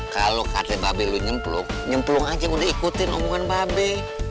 kalo kata mbak be lu nyemplung nyemplung aja udah ikutin omongan mbak be